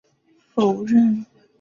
却遭到否认。